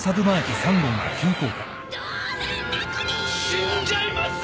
死んじゃいます！